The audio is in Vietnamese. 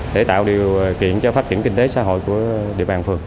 để tạo điều kiện cho phát triển kinh tế xã hội của địa bàn phường